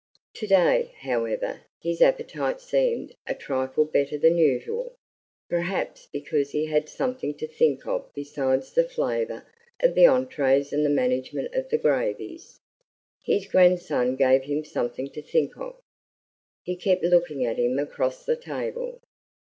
To day, however, his appetite seemed a trifle better than usual, perhaps because he had something to think of beside the flavor of the entrees and the management of the gravies. His grandson gave him something to think of. He kept looking at him across the table.